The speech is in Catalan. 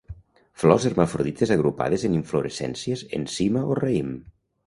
Flors hermafrodites agrupades en inflorescències en cima o raïm.